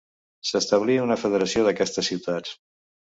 S'establí una federació d'aquestes ciutats.